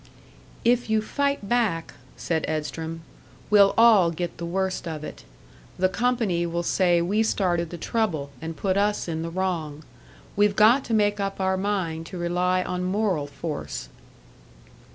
"If you fight back," said Edstrom, "we'll all get the worst of it. The company will say we started the trouble, and put us in the wrong. We've got to make up our mind to rely on moral force."